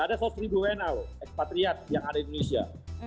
ada seratus ribu wna loh ekspatriat yang ada di indonesia